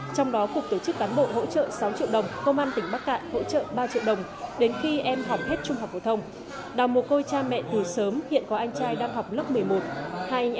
trong đó cục tổ chức cán bộ hỗ trợ sáu triệu đồng công an tỉnh bắc cạn hỗ trợ ba triệu đồng đến khi em học hết trung học phổ thông